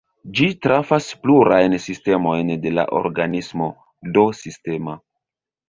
Ĝi trafas plurajn sistemojn de la organismo (do "sistema").